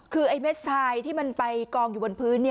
คือไอ้เม็ดทรายที่มันไปกองอยู่บนพื้น